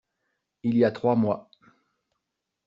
Il y a trois mois.